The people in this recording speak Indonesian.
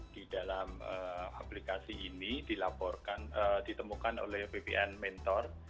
di dalam aplikasi ini ditemukan oleh bpn mentor